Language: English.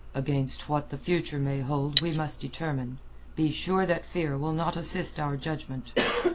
"Against what the future may hold, we must determine. Be sure that fear will not assist our judgment."